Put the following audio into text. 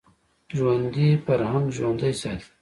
ژوندي فرهنګ ژوندی ساتي